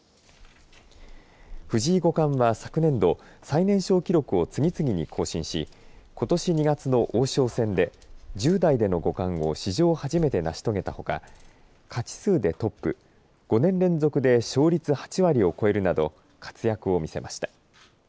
藤井五冠は昨年度最年少記録を次々に更新しことし２月の王将戦で１０代での五冠を史上初めて成し遂げたほか勝ち数でトップ５年連続で勝率８割を超えるなど活躍を見せました。